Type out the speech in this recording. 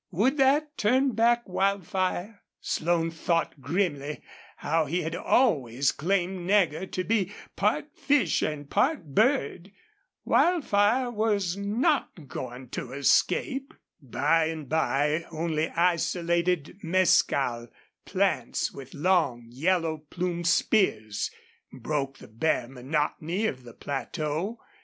Would that turn back Wildfire? Slone thought grimly how he had always claimed Nagger to be part fish and part bird. Wildfire was not going to escape. By and by only isolated mescal plants with long, yellow plumed spears broke the bare monotony of the plateau.